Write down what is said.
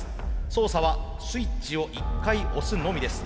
操作はスイッチを１回押すのみです。